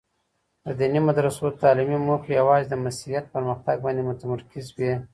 د دیني مدرسو تعلیمي موخې یوازي د مسیحیت پرمختګ باندې متمرکز وې.